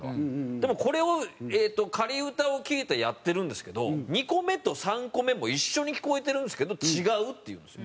でもこれを仮歌を聴いてやってるんですけど２個目と３個目も一緒に聴こえてるんですけど違うって言うんですよ。